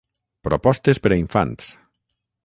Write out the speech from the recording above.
Propostes per a infants.